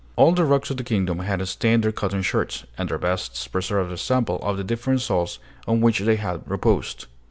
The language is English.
All the rocks of the kingdom had stained their cotton shirts, and their vests preserved a sample of the different soils on which they had reposed.